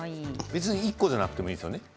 別に１個じゃなくていいですよね。